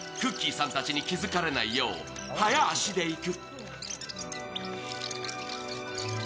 さんたちに気づかれないよう早足で行く。